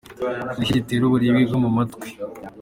Ni iki gitera uburibwe bwo mu matwi?